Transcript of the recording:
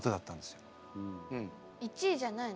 １位じゃないの？